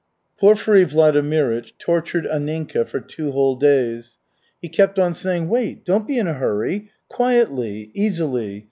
Porfiry Vladimirych tortured Anninka for two whole days. He kept on saying, "Wait, don't be in a hurry! Quietly, easily.